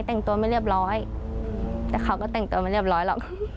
แต่งตัวไม่เรียบร้อยแต่เขาก็แต่งตัวไม่เรียบร้อยหรอก